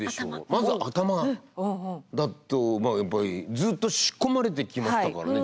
まず頭だとずっと仕込まれてきましたからね